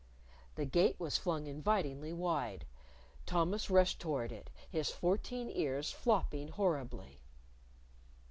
The Gate was flung invitingly wide Thomas rushed toward it, his fourteen ears flopping horribly.